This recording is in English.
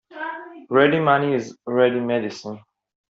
Ready money is ready medicine.